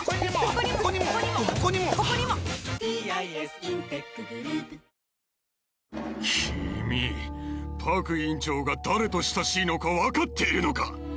君っパク院長が誰と親しいのか分かっているのか！？